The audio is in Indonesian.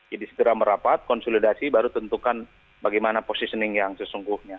jadi segera merapat konsolidasi baru tentukan bagaimana positioning yang sesungguhnya